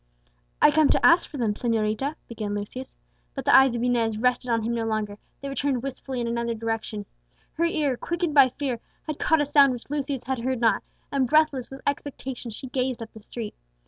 "I come to ask for them, señorita," began Lucius. But the eyes of Inez rested on him no longer, they were turned wistfully in another direction. Her ear, quickened by fear, had caught a sound which Lucius had heard not, and breathless with expectation she gazed up the street.